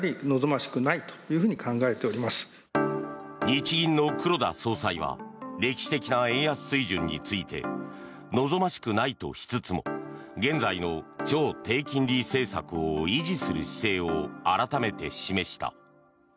日銀の黒田総裁は歴史的な円安水準について望ましくないとしつつも現在の超低金利政策を維持する姿勢を改めて示した。